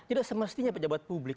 tidak semestinya pejabat publik